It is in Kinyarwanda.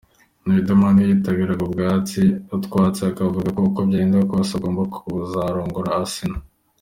Riderman we yabiteraga utwatsi akavuga ko uko byagenda kose ‘agomba kuzarongora Asnah’.